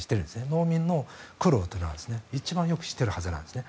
農民の苦労というのは一番よく知っているはずなんですね。